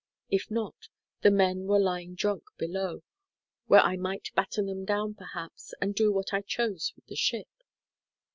If not, the men were lying drunk below, where I might batten them down, perhaps, and do what I chose with the ship.